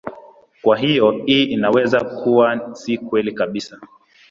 Kwa hiyo hii inaweza kuwa si kweli kabisa.